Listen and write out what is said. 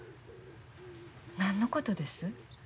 何のことです？